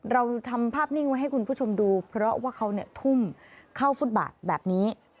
เราทำภาพนิ่งไว้ให้คุณผู้ชมดูเพราะว่าเขาทุ่มเข้าฟุตบาทแบบนี้